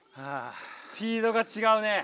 スピードがちがうね。